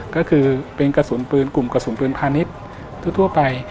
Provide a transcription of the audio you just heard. ก็คือกลุ่มกระสุนปืนพาณิชย์ทั่วไป